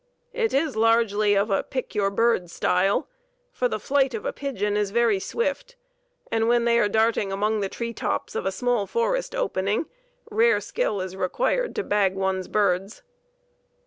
It is largely of the 'pick your bird' style, for the flight of a pigeon is very swift, and when they are darting among the tree tops of a small forest opening, rare skill is required to bag one's birds.